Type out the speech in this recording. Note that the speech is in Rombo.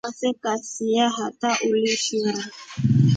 Waseka siya hata uliishira.